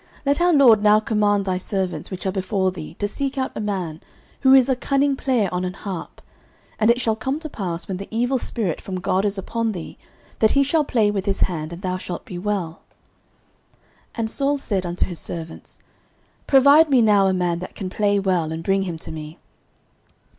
09:016:016 Let our lord now command thy servants, which are before thee, to seek out a man, who is a cunning player on an harp: and it shall come to pass, when the evil spirit from God is upon thee, that he shall play with his hand, and thou shalt be well. 09:016:017 And Saul said unto his servants, Provide me now a man that can play well, and bring him to me.